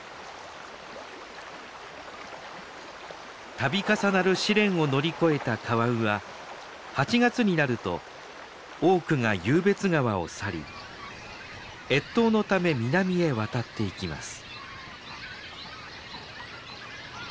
たび重なる試練を乗り越えたカワウは８月になると多くが湧別川を去り越冬のため南へ渡っていきます。